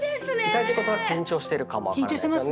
痛いってことは緊張しているかも分からないですね。